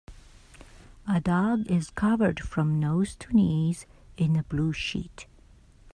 A dog is covered from nose to knees in a blue sheet.